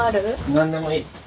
何でもいい。